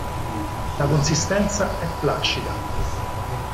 La consistenza è flaccida.